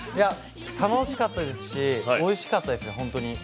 楽しかったですし、おいしかったです